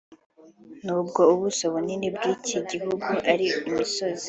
nubwo ubuso bunini bw’iki gihugu ari imisozi